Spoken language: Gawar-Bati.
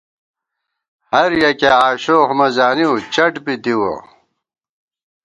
ہریَکِیہ آشوخ مہ زانِؤ چٹ بی دِوَہ